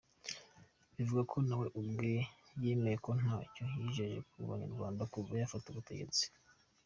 Bivuga ko nawe ubwe, yemeye ko ntacyo yagejeje ku banyarwanda kuva yafata ubutegetsi !